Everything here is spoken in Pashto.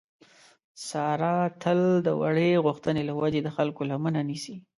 ساره تل د وړې غوښتنې له وجې د خلکو لمنه نیسي.